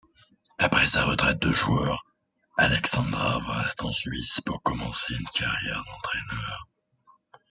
Après sa retraite de joueur, Aleksandrov reste en Suisse pour commencer une carrière d'entraîneur.